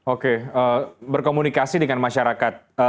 oke berkomunikasi dengan masyarakat